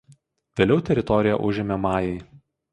Vėliau teritoriją užėmė majai.